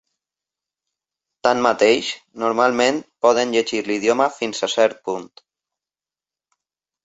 Tanmateix, normalment poden llegir l'idioma fins a cert punt.